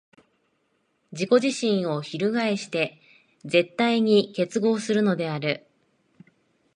自己自身を翻して絶対に結合するのである。